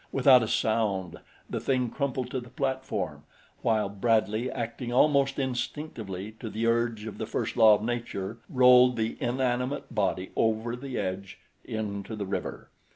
Without a sound the thing crumpled to the platform, while Bradley, acting almost instinctively to the urge of the first law of nature, rolled the inanimate body over the edge into the river.